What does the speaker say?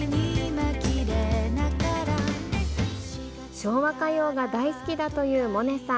昭和歌謡が大好きだという萌音さん。